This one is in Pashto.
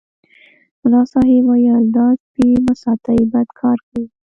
ملا صاحب ویل دا سپي مه ساتئ بد کار کوي.